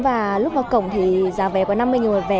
và lúc vào cổng thì dàng vẻ qua năm mươi vẻ